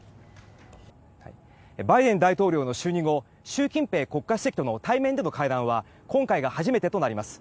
バイデン大統領の就任後習近平国家主席との対面での会談は今回が初めてとなります。